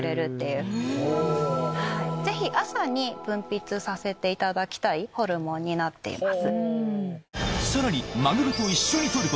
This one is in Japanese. ぜひ朝に分泌させていただきたいホルモンになっています。